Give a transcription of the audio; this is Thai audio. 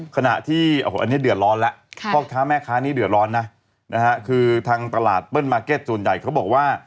ขณะที่โอ้โหอันนี้เดือดร้อนแล้วพ่อค้าแม่ค้านี้เดือดร้อนนะคือทางตลาดเปิ้ลมาร์เก็ตส่วนใหญ่เขาบอกว่า